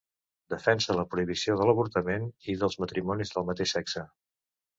Defensa la prohibició de l'avortament i dels matrimonis del mateix sexe.